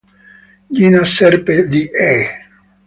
Gina Serpe di "E!